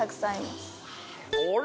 あら！